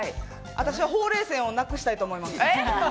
私はほうれい線をなくしたいと思います。